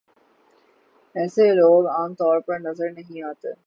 ایسے لوگ عام طور پر نظر نہیں آتے